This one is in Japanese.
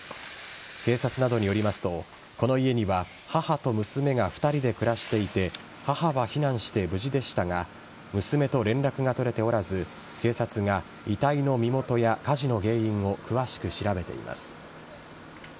警察などによりますとこの家には母と娘が２人で暮らしていて母は避難して無事でしたが娘と連絡が取れておらず警察が遺体の身元や火事の原因を詳しく調べています。